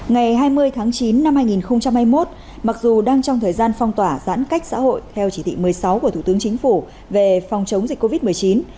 ngày hai mươi tháng chín năm hai nghìn hai mươi một mặc dù đang trong thời gian phong tỏa giãn cách xã hội theo chỉ thị một mươi sáu của thủ tướng chính phủ về phòng chống dịch covid một mươi chín